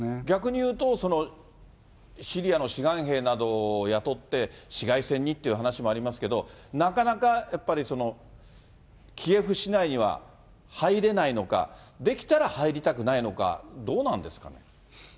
逆に言うと、シリアの志願兵などを雇って、市街戦にっていう話もありますけど、なかなかやっぱりキエフ市内には入れないのか、できたら入りたくないのか、どうなんですかね。